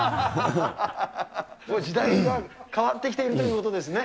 もう時代が変わってきているということですね。